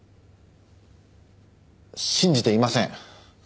信じていません。